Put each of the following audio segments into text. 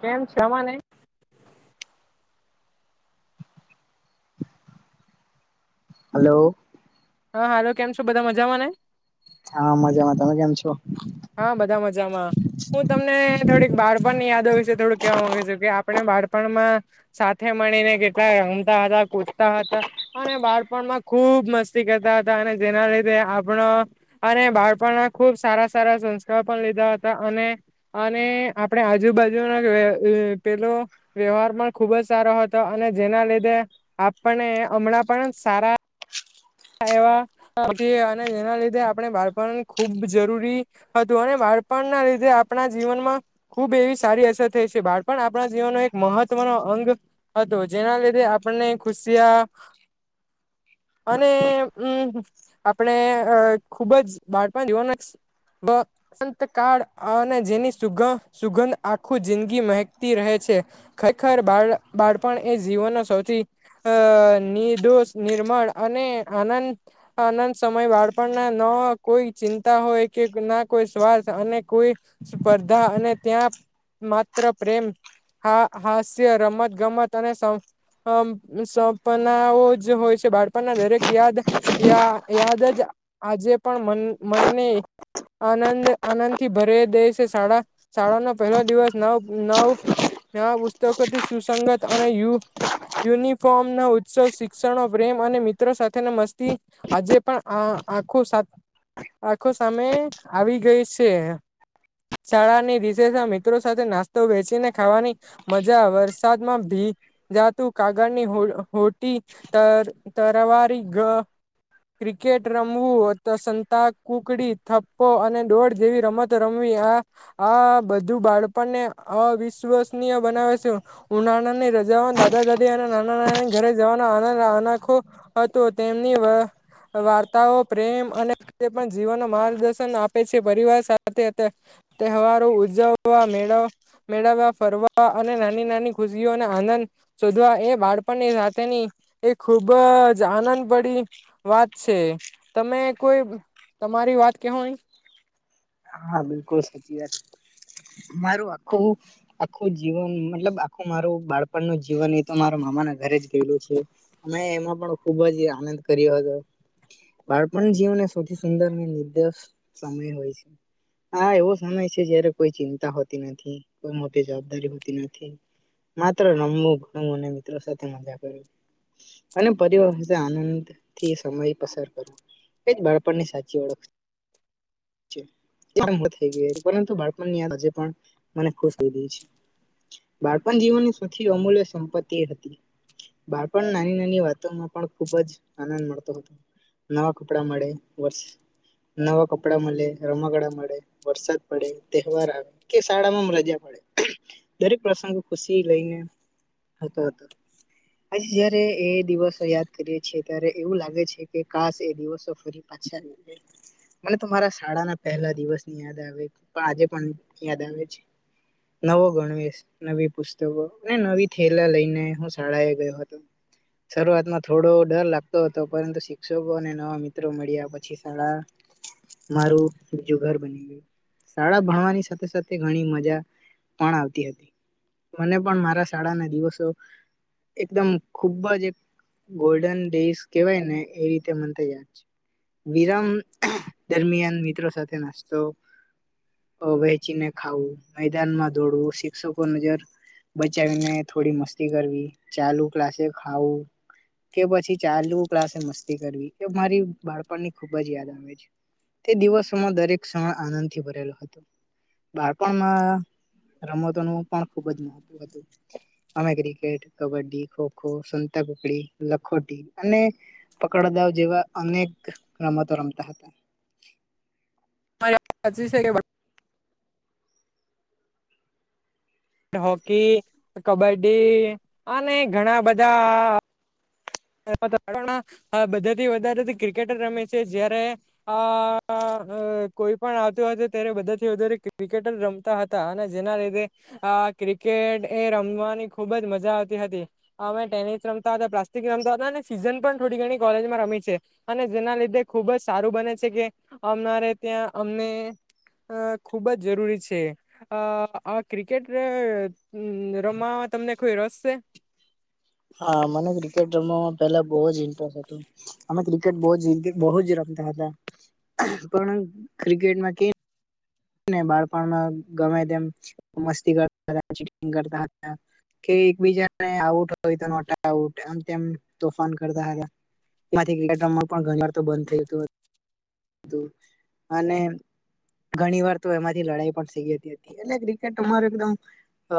કેમ છેમા ન. હલો. હા હાલો કેમ છો બધા મજામાં ને. હા મજામાં તમે કેમ છો. હા બધા મજામાં હું તમને થોડીક બાર પણની યાદ. વિ થોડું કેવા માંગે છે કે આપણે બાળપણમાં સાથે મળીને કેટલા રમતા હતાતા. અને બાળપણમાં ખુબ મસ્તી કરતા હતા અને જેના લીધે આપણા અને. બાળપણમાં ખુબ સારા. સારા સંસ્કાર પણ લીધા હતા અને અને આપણે આજુબાજુના પેલો. વ્યવહાર પણ ખુબ જ સારો હતો અને જેના લીધે આપણે હમણાં પણ સારા. એવા અને તેના લીધે આપણે બાળપણ ખુબ જરૂરી હતું અને. બાળપણ ના લીધે આપણા જીવનમાં ખુબ એવી સારી અસર થઈ છે બાળપણ આપણા જીવનનો એક મહત્વનો. અંગ હતો જેના લીધે આપણને ખુશિયા. અને હમ આપણે અ ખુબ જ બાળપણ જોવાના. વ સંત કળ અને જેની સુ સુગંધ આખું જિંદગી મહેકતી રહે છે. છે ખરેખર બાળ બાળપણ એ જીવનનો સૌથી નિર્દોષ નિર્મળ. અને આનંદ આનંદ સમય બાળપણ ના ન કોઈ ચિંતા હોય કે ના. કોઈ સ્વાર્થ અને કોઈ સ્પર્ધા અને ત્યાં માત્ર પ્રેમ. હા હાસ્ય રમત ગમત અને. અમ સપનાઓ જ હોય છે બાળ. દરેક યાદયા યાદ જ આજે પણ મનને. આનંદ આનંદથી ભરે દે છે શાળા શાળાનો પહેલો દિવસ નવ નવ. આ પુસ્તકોથી સુસંગત અને યુ. યુનિફોર્મ ના ઉત્સવ શિક્ષણો પ્રેમ. મિત્રો સાથે મસ્તી આજે પણ આખું. આખો સામે આવી ગઈ છે. શાળાની વિશેષ મિત્રો સાથે નાસ્તો વેચીને ખાવાની મજા વરસાદમાં ભી. જાતું કાગળની હોટી તરવારી ગ. ક્રિકેટ રમવું તો સંતાક કુકડી થપ્પો અને ડોળ જેવી રમત રમવી આ આ બધું બાળપણને અવિશ્વસનીય બનાવે છે, ઉનાળાને રજા દાદા દાદી અને નાના નાના ઘરે જવાનો આનંદ અનાખો હતું તેમની વ વાર્તાઓ પ્રેમ અને પણ જીવન માર્ગદર્શન આપે છે, પરિવાર સાથે તે તહેવારો ઉજજવવા મેળો મેળવવા ફરવા અને નાની નાની ખુશીઓ અને આનંદ શોધવા એ બાળપણની સાથે એ ખુબ જ આનંદ પડી વાત છે તમે કોઈ તમારી વાત કેહોય હા, બિલકુલ સાચી વાત મારું આખું આખું જીવન મતલબ આખું મારું બાળપણ નું જીવન એ તો માર અમારા ઘરે જ ગયેલું છે, અમે એમાં પણ ખુબ જ આનંદ કર્યો હતો. બાળપણ જીવને સૌથી સુંદર નિર્દષ સમય હોય છે, હા, એવો સમય છે જયારે કોઈ ચિંતા હોતી નથી કોઈ મોટી જવાબદારી હોતી નથી, માત્ર રમવું ઘણું અને મિત્રો સાથે મજા કરવી અને પરીવાર આનંદ થી સમય પસાર કરવો તેજ બાળપણની સાચી ઓળખ એમ હ થઈ ગઈ પરંતુ બાળપણની વાત હજે પણ મને ખુશ થઈ ગઈ છે બાળપણ જીવનની સૌથી અમૂલ્ય સંપત્તિ એ હતી, બાળપણ નાની નાની વાતોમાં પણ ખૂબ જ આનંદ મળતો હતો, નવા કપડા મળે વર્ષ નવા કપડા મળે રમકળા મળે વરસાદ પડે તહેવાર આવે કે શાળામાં રજા પડે, દરેક પ્રસંગ ખુશી લઈને હતો આજ જયારે એ દિવસો યાદ કરીએે છે, ત્યારે એવું લાગે છે કે કાસ એ દિવસો ફરી [unintelligible] મને તો મારા શાળા ના પહેલા દિવસ ની યાદ આવે પણ આજે પણ યાદ આવે છે, નવો ગણવેશ, નવી પુસ્તકો અને નવી થેલા લઈને હું શાળા એ ગયો હતો શરૂઆતમાં થોડો ડર લાગતો હતો, પરંતુ શિક્ષકોને નવા મિત્રો મળ્યા પછી શાળા [inaudible] મારું, જુગર બની ગયું શાળા ભણવાની સાથે સાથે ઘણી મજા પણ આવતી હતી મને પણ મારા શાળા ના દિવસો એકદમ, ખુબ જ એક ગોલ્ડન ડેઝ કેવાય ને એ રીતે મનથ છે. વિરામ દરમિયાન મિત્રો સાથે નાસ્તો વહેચીને ખાવું, મેદાનમાં દોડવું શિક્ષકો નજર બચાવીને થોડી મસ્તી કરવી ચાલુ ક્લાસે ખાવું કે પછી ચાલવું ક્લાસે મસ્તી કરવી એ મારી બાળપણની ખુબ જ યાદ આવે છે. તે દિવસોમાં દરેક ક્ષણ આનંદથી ભરેલો હતો, બાળપણમાં. રમતોનું પણ ખુબ જ મહત્વ હતું. અમે ક્રિકેટ, કબડ્ડી, ખોખો, સંતાકુકડી, લખોટી અને પકડ જેવા અનેક રમતો રમતા હતા. [unintelligible] હચી છે કે હોકી, કબડ્ડી અને ઘણા બધા [unintelligible] બધાથી વધારે ક્રિકેટર રમે છે, જયારે આ અ કોઈ પણ આવતું હતું ત્યારે, બધાથી વધારે ક્રિકેટ જ રમતા હતા, અને જેના લીધે આ ક્રિકેટ એ રમવાની ખુબ જ મજા આવતી હતી. અને ટેનિસ રમતા હતા પ્રા રમતા હતા, સીઝન પણ થોડી ઘણી કોલેજમાં રમી છે, અને જેના લીધે ખુબ જ સારું બને છે કે આવનારે ત્યાં અમને અ ખુબ જ જરૂરી છે, અ આ ક્રિકેટ અ રમવા મા તમને કોઈ રસ છે? હા, મને ક્રિકેટ રમવા પેલા બહુ જ ઇન્ટરેસ્ટ હતો. અમે ક્રિકેટ બહુ બહુ જ રમતા. [unintelligible] પણ ક્રિકેટમાં કે ને બાળપણમાં, ગમે તેમ મસ્તી કરતા હતા, કરતા હતા. કે, એકબીજાને આઉટ હોય તો નોટઆઉટ, આમ તેમ તોફાન કરતા હતા. થીમાં પણ ઘણી વાર તો બંધ થયું હતું, અને ઘણી વાર તો એમાંથી લડાઈ પણ થઈ ગતી હતી, એટલે ક્રિકેટ અમારુ એકદમ. અ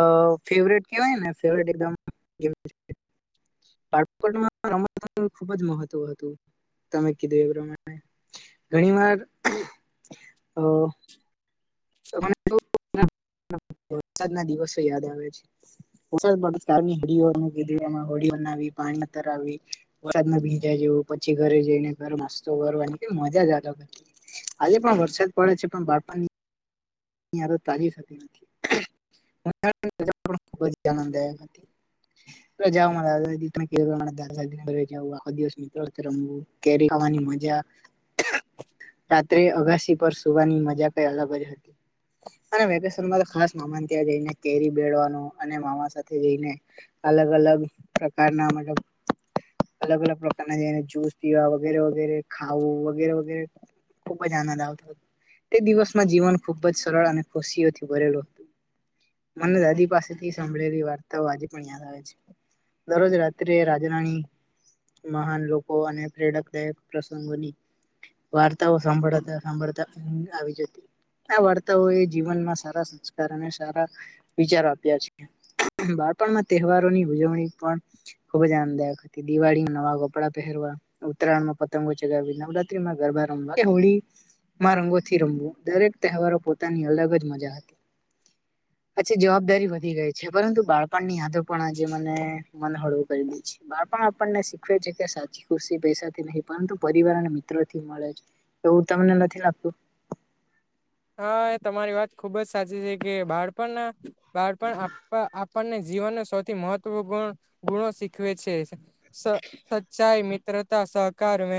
ફેવરેટ કેવાયને, ફેવરેટ એકદમ [unintelligible] રમત ખુબ જ મહત્વ હતું. તમે કીધું એ પ્રમાણે, ઘણી વાર અ [unintelligible] વરસાદ ના દિવસો યાદ આવે છે. વરસાદ હમણા કીધું, એમાં હળી ના પાણી ર આવી વરસાદ ભીંજા જવું, પછી ઘરે જઈને ઘર મસ્તો કરવાની કે મજા જ હતી. આજે પણ વરસાદ પડે છે, પણ બાળપણ તારીફતી નથી. પણ ખૂબ જ આનંદ હતી. [unintelligible] જ મારા દાદા ના ઘરે જવુ, આખો દિવસ મિત્રો રમવું, કેરી ખાવાની મજા [unintelligible] રાત્રે અગાસી પર સુવાની મજા કંઈ અલગ જ હતી. [unintelligible] અને વેકેશનમાં તો ખાસ મામા ત્યાં જઈને, કેરી બેળવાનું અને મામા સાથે જઈને અલગ અલગ પ્રકારના મતલબ અલગ અલગ પ્રકારના, જેને જૂુસ પીવા વગેરે વગેરે, ખાવું વગેરે વગેરે ખુબ આનંદ આવતો હતો. તે દિવસમાં જીવન ખુબ જ સરળ અને ખુશીઓથી ભરેલું હતું. મને દાદી પાસેથી સાંભળેલી વાર્તાઓ આજે પણ યાદ આવે છે. દરરોજ રાત્રે રાજા-રાણી મહાન લોકો અને પ્રેરકદાયક પ્રસંગ બની વાર્તાઓ સાંભળતા-સાંભળતા મજા આવી જતી. આ વાર્તાઓ એ જીવનમાં સારા સંસ્કાર અને સારા વિચારો આપ્યા છે. બાળપણમાં તહેવારો ની ઉજવણી પણ ખુબ જ આનંદદાયક હતી. દિવાળી નવા કપડાં પહેરે ઉત્તરાયણમાં પતંગો ચગાવી, નવરાત્રીમાં ગરબા રમવા, હોળી માં રંગોથી રમવું, દરેક તહેવારો પોતાની અલગ જ મજા હતી. પચ્છી જવાબદારી વધી ગઈ છે. પરંતુ બાળપણ ની યાદો પણ આજે મને મને હળવું કરી દઈ છે બાળપા આપપણ ને શીખવે છે કે સાચી ખુશી પૈસાથી નહીં, પરંતુ પરિ ને મિત્ર અહીંયા થી મલેછ એવું તમને નથી લાગતું [inaudible] હા એ તમારી વાત ખુબ જ સાચી છે. કે બાળપણ બાળપણ આપણને જીવનને સૌથી મહત્વ ગણ ગુણો શીખવે છે. સચ્ચાઈ સહકાર વ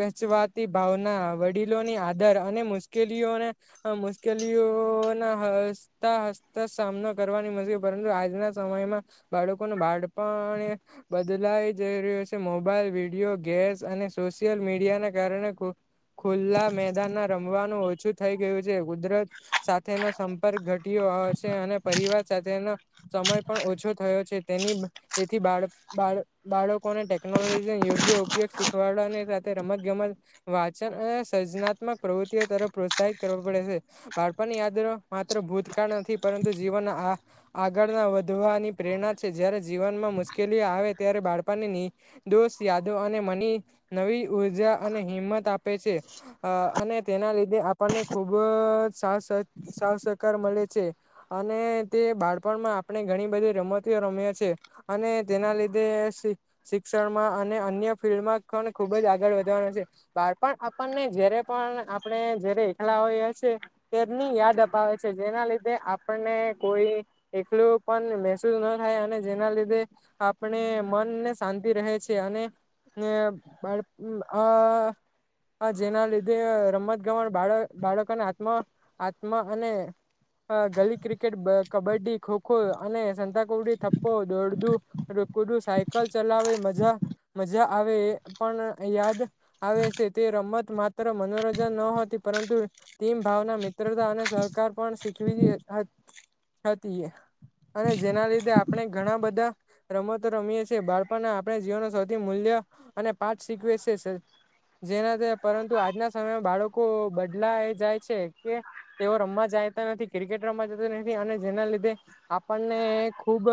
વેચવાતી ભાવના વડીલોની આદર અને મુશ્કેલીઓને આ મુશ્કેલીઓ ના હસતા હસતા સામનો કરવાની મજકે પરંતુ આજના સમયમાં બાળકોનું બાળપણ બદલાઈ જઈ રહ્યો છે. મોબાઈલ વિડીયો ગેમ પ્રેસ અને સોશિયલ મીડિયાને કારણે ખુલ્લા મેદાનમાં રમવાનું ઓછું થઈ ગયું છે. કુદરત સાથેનો સંપર્ક ઘટ્યો હોયછે. અને પરિવાર સાથેનો સમય પણ ઓછો થયો છે. તેની તેથી બાળકોને ટેકનોલોજીને યોગ્ય ઉપયોગ શીખવાડવાની સાથે રમતગમત વાચન અને સર્જનાત્મક પ્રવૃત્તિઓ તરફ પ્રોત્સાહિત કરવ પડે છે. બાળપણની યાદ માત્ર ભૂતકાળ નથી પરંતુ જીવનના આગળ વધવાની પ્રેરણા છે. જયારે જીવનમાં મુશ્કેલી આવે ત્યારે બાળપણ ને નિર્દોષ અને મની નવી ઉર્જા અને હિંમત આપે છે. અને તેના લીધે આપણને ખુબ સાથ સાથ સહકાર મળે છે. અને તે બાળપણ પણમા આપણે ઘણી બધી રમતી રમે છે. અને તેના લીધે શી શિક્ષણમાં ને અન્ય ફિલ્માં કન ખુબ જ આગળ વધવાનું છે. બાપણ આપણને જ્યારે પણ આપ પણે જયારે એક્લા હોઈએ છે. ત્યારની યાદ અપાવે છે. જેના લીધે આપણને કોઈ એકલું પણ મહેસુસ ન થાય, અને જેના લીધે આપણે મન ને શાંતિ રહે છ છે. અને ને એ બાળ અહ અ આ જેના લીધે રમત ગમત બાળ બાળકોને આત્મ આત્મ અને અ ગલી ક્રિકેટ, બ કબડ્ડી, ખોખો અને સંતાકુકડી, થપ્પો, દોડદું કુડું સાયકલ ચલાવે મજા મજા આવે. પણ યાદ આવે છે તે રમત માત્ર મનોરંજન ન હતી. પરંતુ ટીમ ભાવના, મિત્રતા અને સહકાર પણ શીખવી હ હત હતી એ. અને જેના લીધે આપણે ઘણા બધા રમતો રમીએ છીએ. બાળપણના આપણે જીવનનો સૌથી મૂલ્ય અને પાઠ શીખવે છે. જેના થી પરંતુ આજના સમયમાં બાળક કો બદલાયે જાય છે. કે તેઓ રમવા જાયતા નથી. ક્રિકેટ રમવા જતા નથી. અને જેના લીધે આપણને ખુબ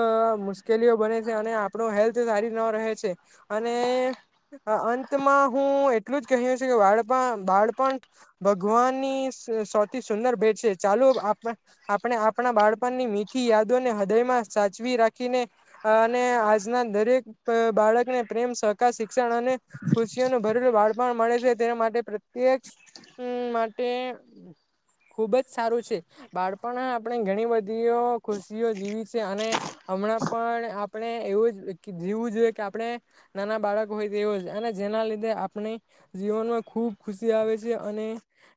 મુશ્કેલીઓ બને છે. અને આપણ હેલ્થ સારી રીતનો રહે છે. અને અ અંતમાં હું એટલું જ કહ્યું છુ કે બાળપણ વાળપણ ભગવાન ની સ સૌથી સુંદર ભેટ છે ચાલો આપને આપણે આપણા બાળપણની મીઠી યાદોને હૃદયમાં સાચવી રાખીને, અને આજના દરેક બ બાળક ને પ્રેમ સહકાર શિક્ષણ અને, ખુશીઓ નુ ભરેલું બાળપણ મળે છે તે માટે પ્રત્યેક હમ્મ માટે ખુબ જ સારું છે, બાળપણ આપણે ઘણી બધીઓ ખુશીઓ જીવી છે અને હમણાં પણ આપણે એવું જ જીવું જોઈએ કે આપણે, નાના બાળક હોય એવો જ અને જે ના લીધે આપણે, જીવન માં ખુબ ખુશી આવે છે અને,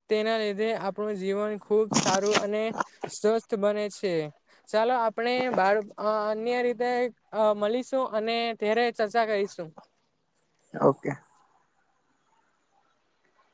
તેના લીધે આપણું જીવન ખુબ સારું અને સ્વસ્થ બને છે. એ ચાલો આપણે બાળ અ અન્ય રીતે અ મળીશું અને ત્યારે ચર્ચા કરીશું. ઓકે.